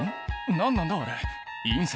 何なんだあれ隕石？